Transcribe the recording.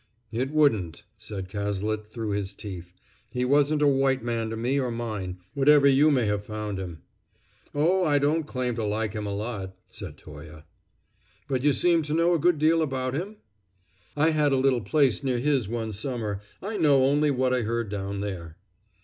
"It wouldn't," said Cazalet through his teeth. "He wasn't a white man to me or mine whatever you may have found him." "Oh! I don't claim to like him a lot," said Toye. "But you seem to know a good deal about him?" "I had a little place near his one summer. I know only what I heard down there."